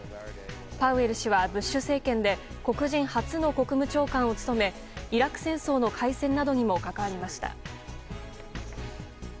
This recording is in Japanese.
パウエル氏はブッシュ政権で黒人初の国務長官も務めイラク戦争の開戦などにも関わりました。